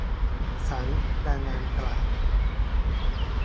ศาลแรงงานกลาง